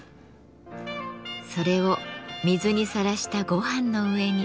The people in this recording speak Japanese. それを水にさらしたごはんの上に。